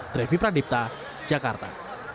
trevi pradipta jakarta